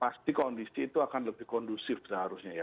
pasti kondisi itu akan lebih kondusif seharusnya ya